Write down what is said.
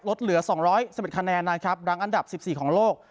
ลดเหลือสองร้อยสิบเอ็ดคะแนนนะครับรังอันดับสิบสี่ของโลก